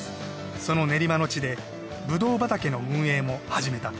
その練馬の地でブドウ畑の運営も始めた。